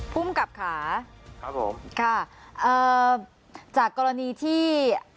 ภูมิกับขาครับผมค่ะเอ่อจากกรณีที่